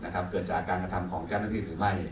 เกิดจากการกระทำของเจ้าหน้าที่หรือไม่